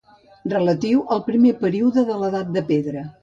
Relatiu al primer període de l'edat de pedra.